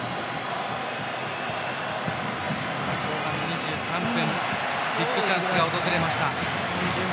後半の２３分ビッグチャンスが訪れました。